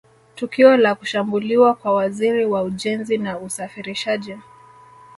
Tukio la kushambuliwa kwa Waziri wa Ujenzi na Usafirishaji